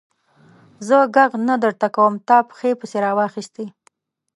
زه ږغ نه درته کوم؛ تا پښې پسې را واخيستې.